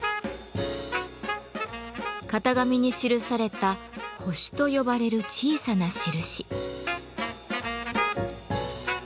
型紙に記された「星」と呼ばれる小さな印。